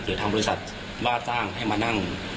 หรือทางบริษัทว่าจ้างให้มานั่ง